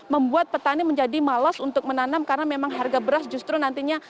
membuat petani menjadi malas untuk menanam karena memang harga beras justru nantinya